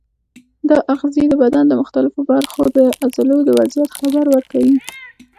دا آخذې د بدن د مختلفو برخو د عضلو د وضعیت خبر ورکوي.